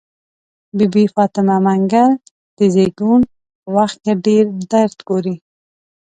بي بي فاطمه منګل د زيږون په وخت کې ډير درد ګوري.